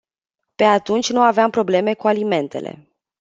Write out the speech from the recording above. Pe atunci nu aveam probleme cu alimentele.